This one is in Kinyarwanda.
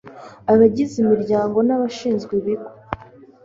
Abagize imiryango nabashinzwe ibigo